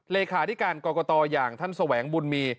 เลขาธิการกรกตอย่างท่านแสวงบุญมี